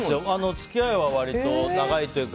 付き合いは長いというか。